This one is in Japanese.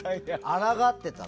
あらがってた。